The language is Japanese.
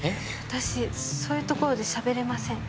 私そういうところでしゃべれません・